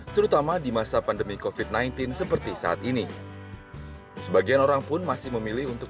terutama di masa pandemi kofit sembilan belas seperti saat ini sebagian orang pun masih memilih untuk